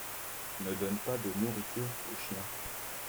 ne donne pas de nourriture aux chiens.